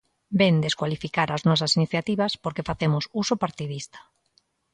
Vén descualificar as nosas iniciativas porque facemos uso partidista.